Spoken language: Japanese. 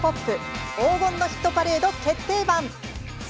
Ｊ−ＰＯＰ黄金のヒットパレード決定版！」